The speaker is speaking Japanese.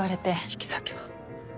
行き先は？